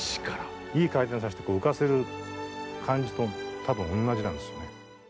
いい回転させて浮かせる感じと、たぶん同じなんですよね。